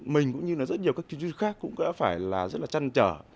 mình cũng như là rất nhiều các kỹ thuật khác cũng đã phải là rất là chăn trở